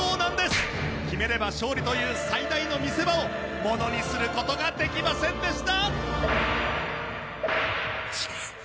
決めれば勝利という最大の見せ場を物にする事ができませんでした。